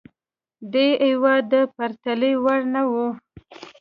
دې هېواد د پرتلې وړ نه وه.